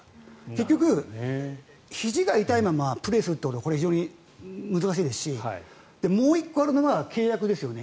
結局、ひじが痛いままプレーをするのは難しいですしもう１個あるのが契約ですよね。